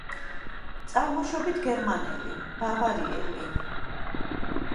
წარმოშობით გერმანელი, ბავარიელი.